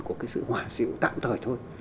của sự hòa diệu tạm thời thôi